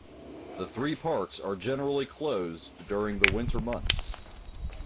The three parks are generally closed during the winter months.